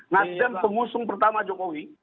nasjid yang pengusung pertama jokowi